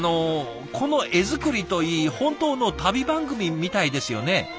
この画作りといい本当の旅番組みたいですよね。